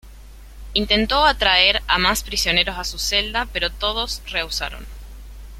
Intentó atraer a más prisioneros hacia su celda, pero todos rehusaron.